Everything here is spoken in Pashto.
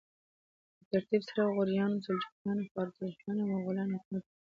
په ترتیب سره غوریانو، سلجوقیانو، خوارزمشاهیانو او مغولانو حکومت وکړ.